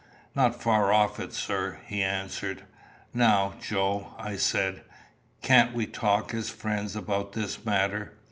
"Not far off it, sir," he answered. "Now, Joe," I said, "can't we talk as friends about this matter?